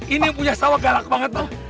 ini yang punya sawah galak banget bang